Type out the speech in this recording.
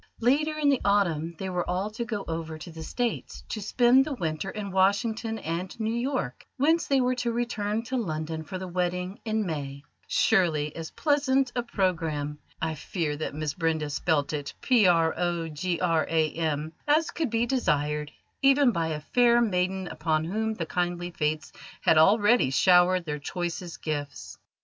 Later in the autumn they were all to go over to the States to spend the winter in Washington and New York, whence they were to return to London for the wedding in May: surely as pleasant a programme I fear that Miss Brenda spelt it "program" as could be desired even by a fair maiden upon whom the kindly Fates had already showered their choicest gifts.